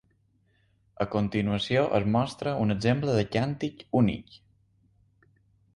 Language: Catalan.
A continuació es mostra un exemple de càntic únic.